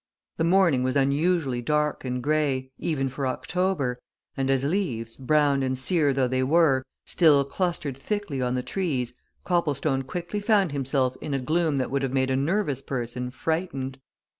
The morning was unusually dark and grey, even for October, and as leaves, brown and sere though they were, still clustered thickly on the trees, Copplestone quickly found himself in a gloom that would have made a nervous person frightened.